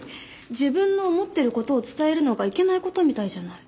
自分の思ってる事を伝えるのがいけない事みたいじゃない。